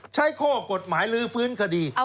ใช้ข้อกฎหมายลื้อฟื้นคดี